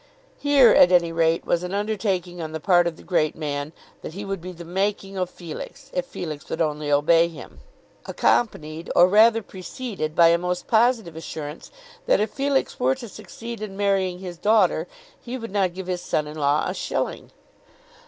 Here at any rate was an undertaking on the part of the great man that he would be the "making of Felix," if Felix would only obey him accompanied, or rather preceded, by a most positive assurance that if Felix were to succeed in marrying his daughter he would not give his son in law a shilling!